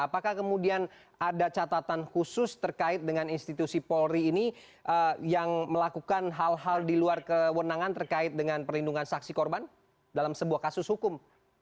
apakah kemudian ada catatan khusus terkait dengan institusi polri ini yang melakukan hal hal di luar kewenangan terkait dengan perlindungan saksi korban dalam sebuah kasus hukum